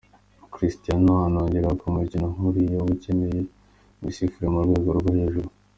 Cristiano anongeraho ko umukino nk’uriya uba ukeneye imisifurire yo mu rwego rwo hejuru.